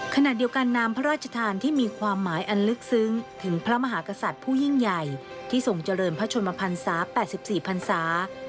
ขณะเดียวกันนามพระราชทานที่มีความหมายอันลึกซึ้งถึงพระมหากษัตริย์ผู้ยิ่งใหญ่ที่ทรงเจริญพระชนมพันศา๘๔พันศา